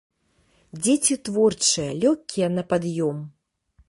Дзеці творчыя, лёгкія на пад'ём.